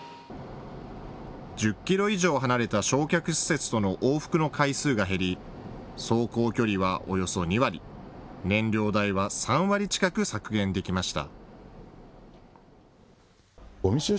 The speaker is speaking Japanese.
１０キロ以上離れた焼却施設との往復の回数が減り走行距離はおよそ２割、燃料代は３割近く削減できました。